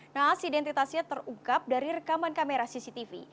nah identitasnya terukap dari rekaman kamera cctv